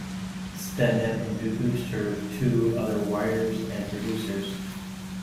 Stennett introduced her to other writers and producers.